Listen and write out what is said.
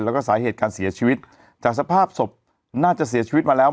แล้วก็สาเหตุการเสียชีวิตจากสภาพศพน่าจะเสียชีวิตมาแล้ว